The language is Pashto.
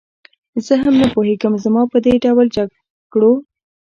زه هم نه پوهېږم، زما په دې ډول جګړو.